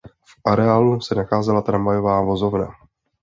V areálu se nacházela tramvajová vozovna.